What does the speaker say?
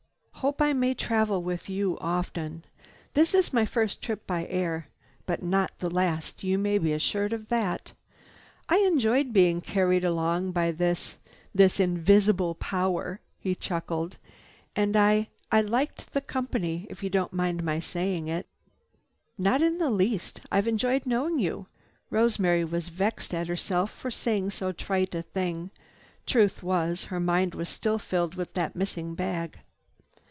Hope I may travel with you often. This is my first trip by air, but not the last—you may be assured of that. I enjoy being carried along by this—this invisible power." He chuckled. "And I—I like the company, if you don't mind my saying it." "Not in the least. I've enjoyed knowing you." Rosemary was vexed at herself for saying so trite a thing. Truth was, her mind was still filled with that missing bag.